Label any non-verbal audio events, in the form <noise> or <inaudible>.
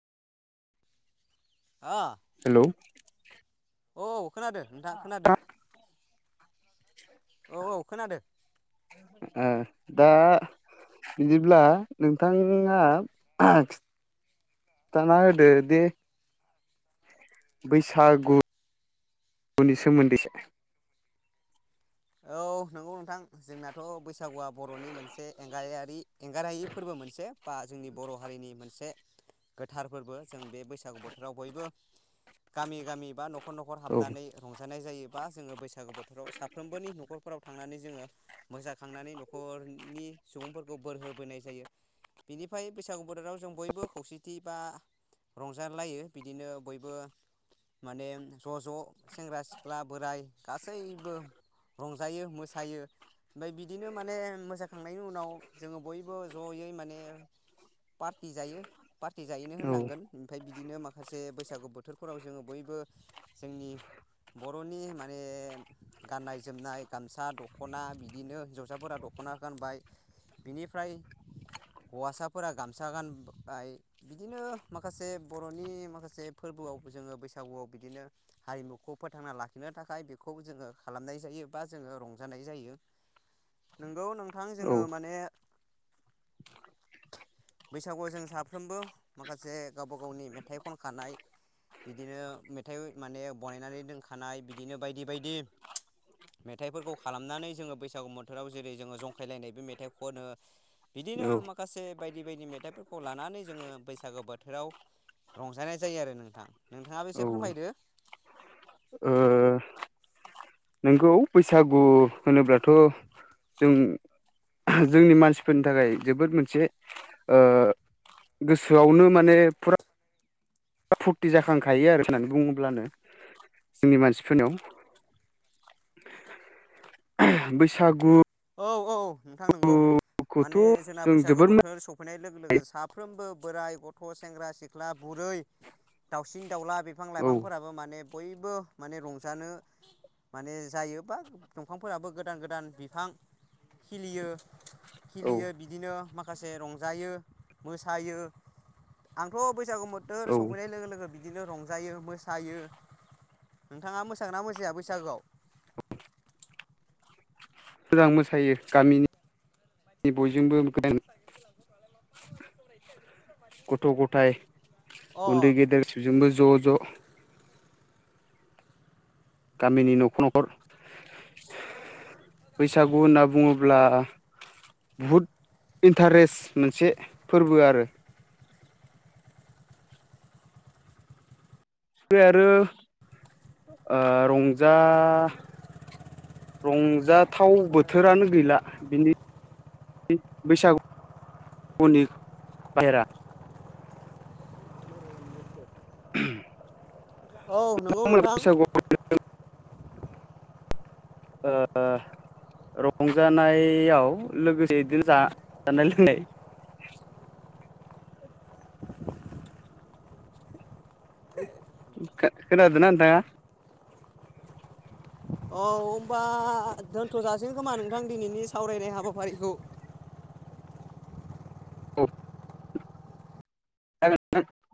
अ hello औ खोनादो नोंथां खोनादो औ औ खोनादो दा बिदिब्ला नोंथाङा थाना होदो दे बैसागुुनि सोमोनदै से औ नंगौ नोंथां जोंनाथ' बैसागुआ बर'नि मोनसे मोनसे एंगायारि एंगारहायै फोरबो मोनसे बा जोंनि बर' हारिनि मोनसे गोथार फोरबो जों बे बैसागु बोथोराव बयबो गामि गामि बा नखर नखर औ हाबनानै रंजानाय जायोबा जोङो बैसागु बोथोराव साफ थांनानै जोङो मोसाखांनानै नखरनि सुबुंफोरखौ बोर होबोनाय जायो बिनिफाय बैसागु बोथोराव जों बयबो खौसेथि बा रंजालायो बिदिनो बयबो माने ज' ज' सेंग्रा सिख्ला बोराय गासैबो रंजायो मोसायो ओमफाय बिदिनो माने मो खांनायनि उनाव जोङो बयबो जयै माने पारटि जायो पारटि जायोनो औ होननांगोन ओमफाय बि बिदिनो माखासे बैसागु बोथोरफोराव जोङो बयबो जोंनि बर'नि माने गाननाय जोमनाय गामसा दख'ना बिदिनो हिनजावसाफोरा दख'ना गानबाय बेनिफ्राय हौवासाफोरा गामसा गानबाय बिदिनो माखासे बर'नि माखासे फोरबो फोरबोआव जोङो बैसागुआव बिदिनो हारिमुखौ फोथांना लाखिनो थाखाय बेखौ जोङो खालामनाय जायो बा जोङो रंजानाय जायो नोंगौ नोंथां औ जोङो माने <unintelligible> बैसागुआव जों साफ्रोमबो माखासे गाबा गावनि मेथाइ खनखानाय बिदिनो मेथाइ माने बनायनानै दोनखानाय बिदिनो बायदि बायदि <inaudible> मेथाइफोरखौ खालामनानै जोङो बैसागु बोथोराव जेरै जोङो जंखायलायनायबो मेथाइ खनो बिदिनो माखासे बायदि बायदि मेथाइफोरखौ लानानै जोङो बैसागो बोथोराव रंजानाय जायो आरो नोंथां नोंथाङाबो औ एसे फोरमायदो ओ नोंगौ बैसागु होनोब्लाथ' जों जोंनि मानसिफोरनि थाखाय जोबोद मोनसे ओ गोसोआवनो माने फुरा फुरथि जाखांखायो आरो होननानै बुङोब्लानो जोंनि मानसिफोरनियाव बैसागु औ औ नोंथां नंगौ माने जोंना जों बैसागु जोबोद बोथोर सफैनाय लोगो लोगो साफ्रोमबो बोराय, गथ', सेंग्रा, सिख्ला, बुरै, दाउसिन दाउला बिफां औ लाइफांफोराबो माने बयबो माने रंजानो माने जायो बा दंफांफोराबो गोदान गोदान बिफां खिलियो औ खिलियो बिदिनो माखा खासे रंजायो मोसायो। आंथ' बैसागु बोथोर औ सफैनाय लोगो लोगो बिदिनो रंजायो मोसायो नोंथाङा मोसागोना मोसाया बैसागोआव? <inaudible> मोजां मोसायो गामिनिनि बयजोंबो <inaudible> गथ' गथाय <inaudible> उन्दै गेदेर जोंबो ज' ज' गामिनि न'खर न'खर बैसागु होनना बुङोब्ला बहुद इन्टारेस्ट मोनसे फोरबो आरो फ्राय आरो ओ रंजा रंजाथाव बोथोरानो गैला बिनि बैसागुनि बाहेरा <inaudible> औ नंगौ नोंथां ओ रंजानायाव लोगोसे बिदिनो जानाय लोंनाय <inaudible> खोनादोंना नोंथाङा? औ होनोमबा दोनथ'जासिगोन खोमा नोंथां दिनैनि सावरायनाय हाबाफारिखौ <inaudible> औ <inaudible>